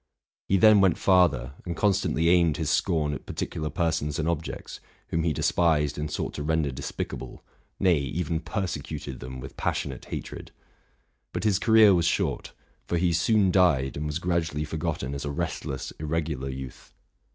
He then went farther, and constantly aimed his scorn at partic ular persons and objects, whom 'he despised and sought to render despicable, — nay, even persecuted them with passion ate hatred. But his career was short; for he soon died, and was gradually forgotten as a restless, irregular youth.